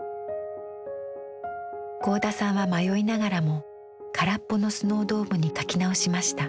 合田さんは迷いながらも空っぽのスノードームに描き直しました。